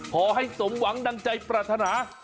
ขอให้สมหวังดังใจปรารถนา